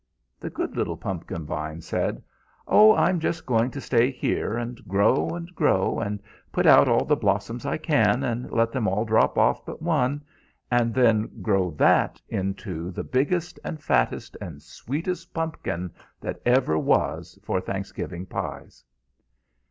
"The good little pumpkin vine said, 'Oh, I'm just going to stay here, and grow and grow, and put out all the blossoms I can, and let them all drop off but one, and then grow that into the biggest and fattest and sweetest pumpkin that ever was for Thanksgiving pies.' [Illustration: TWO LITTLE PUMPKIN SEEDS.